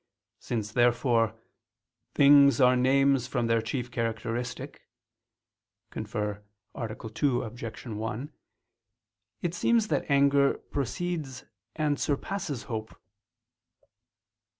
Since, therefore, "things are names from their chief characteristic" (cf. A. 2, Obj. 1), it seems that anger precedes and surpasses hope.